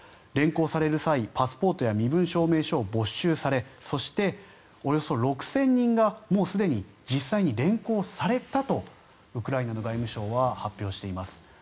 連行される際、パスポートや身分証明書を没収されそしておよそ６０００人がもうすでに実際に連行されたとウクライナの外務省は発表しています。